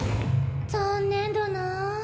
残念だなあ